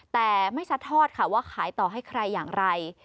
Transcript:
แต่ไม่ซัดทอดค่ะว่าขายต่อให้ใครอย่างไร